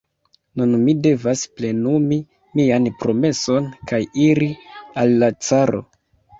Nun mi devas plenumi mian promeson, kaj iri al la caro.